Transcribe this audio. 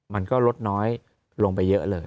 มันก็ลดน้อยลงไปเยอะเลย